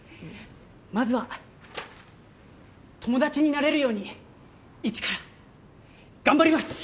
まずは友達になれるようにイチから頑張ります！